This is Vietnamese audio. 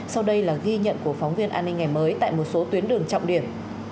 sau đây là ghi nhận của phóng viên an ninh ngày mới tại một số tuyến đường trọng điểm